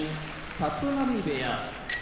立浪部屋